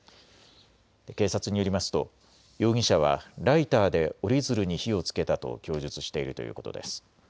警察によりますと容疑者はライターで折り鶴に火をつけたと供述しているということです。